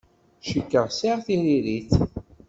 Cikkeɣ sɛiɣ tiririt.